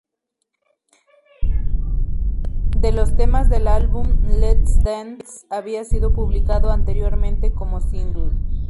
De los temas del álbum, "Let's Dance" había sido publicado anteriormente como single.